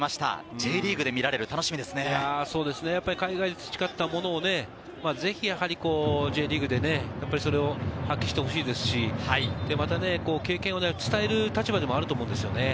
Ｊリーグで見られる、楽しみ海外で培ったものをぜひＪリーグで発揮してほしいですし、また経験を伝える立場でもあると思うんですよね。